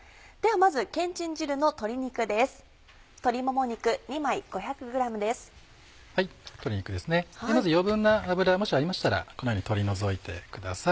まず余分な脂もしありましたらこのように取り除いてください。